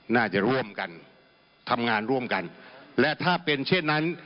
น่าจะร่วมกันทำงานร่วมกันและถ้าเป็นเช่นนั้น